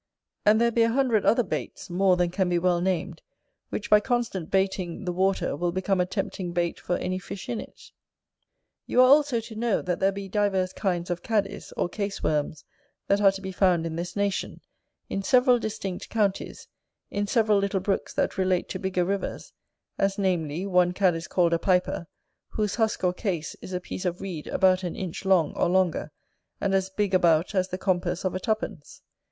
And there be a hundred other baits, more than can be well named, which, by constant baiting the water, will become a tempting bait for any fish in it. You are also to know, that there be divers kinds of CADIS, or Case worms, that are to be found in this nation, in several distinct counties, in several little brooks that relate to bigger rivers; as namely, one cadis called a piper, whose husk, or case, is a piece of reed about an inch long, or longer, and as big about as the compass of a two pence.